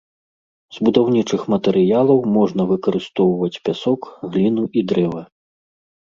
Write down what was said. З будаўнічых матэрыялаў можна выкарыстоўваць пясок, гліну і дрэва.